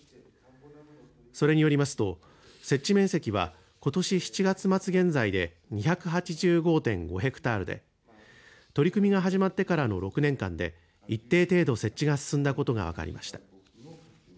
それによりますと設置面積はことし７月末現在で２８５．５ヘクタールで取り組みが始まってからの６年間で一定程度、設置が進んだことが分かりました。